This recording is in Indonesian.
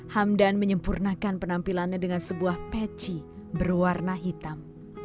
hamdan menyempurnakan penampilannya dengan sebuah peci berwarna hitam